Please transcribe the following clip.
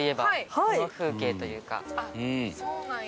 あっそうなんや。